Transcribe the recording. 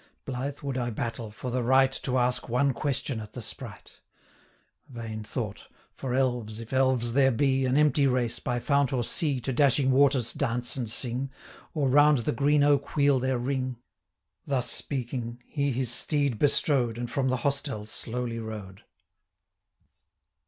Blithe would I battle, for the right To ask one question at the sprite: Vain thought! for elves, if elves there be, An empty race, by fount or sea, 565 To dashing waters dance and sing, Or round the green oak wheel their ring.' Thus speaking, he his steed bestrode, And from the hostel slowly rode.